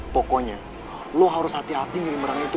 pokoknya lo harus hati hati ngirim barang itu